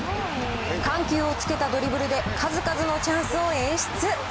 緩急をつけたドリブルで数々のチャンスを演出。